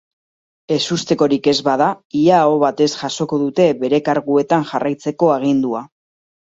Ezustekorik ez bada, ia aho batez jasoko dute bere karguetan jarraitzeko agindua.